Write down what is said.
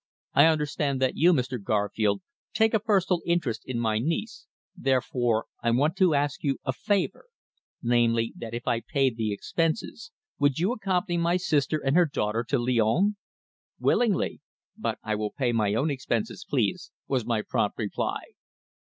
"I understand that you, Mr. Garfield, take a personal interest in my niece, therefore I want to ask you a favour namely, that if I pay the expenses would you accompany my sister and her daughter to Lyons?" "Willingly. But I will pay my own expenses, please," was my prompt reply.